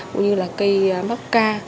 cũng như là cây mắc ca